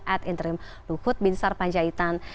at interim luhut binsar panjaitan